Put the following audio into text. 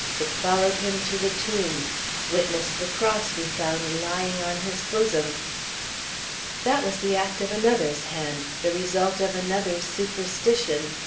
It followed him to the tomb. Witness the cross we found lying on his bosom." "That was the act of another's hand, the result of another's superstition.